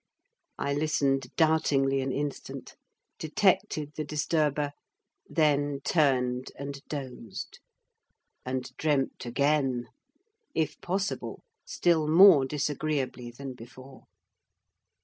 I listened doubtingly an instant; detected the disturber, then turned and dozed, and dreamt again: if possible, still more disagreeably than before.